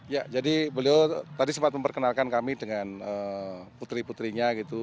ya jadi beliau tadi sempat memperkenalkan kami dengan putri putrinya gitu